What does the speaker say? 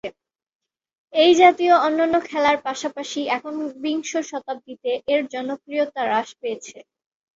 এই জাতীয় অন্যান্য খেলার পাশাপাশি, একবিংশ শতাব্দীতে এর জনপ্রিয়তা হ্রাস পেয়েছে।